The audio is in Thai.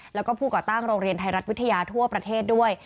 แล้วก็ผู้ก่อตั้งโรงเรียนไทยรัฐวิทยาทั่วประเทศด้วย